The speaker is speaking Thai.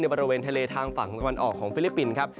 บริเวณทะเลทางฝั่งตะวันออกของฟิลิปปินส์ครับ